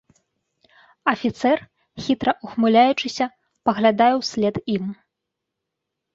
Афіцэр, хітра ўхмыляючыся, паглядае ўслед ім.